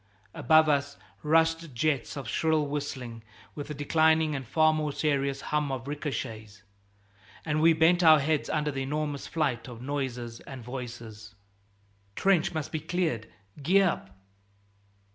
Above us rushed jets of shrill whistling, with the declining and far more serious hum of ricochets. And we bent our heads under the enormous flight of noises and voices. "Trench must be cleared Gee up!"